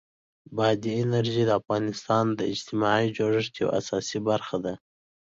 بادي انرژي د افغانستان د اجتماعي جوړښت یوه اساسي برخه ده.